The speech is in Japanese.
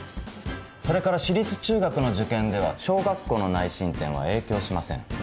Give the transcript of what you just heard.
それから私立中学の受験では小学校の内申点は影響しません。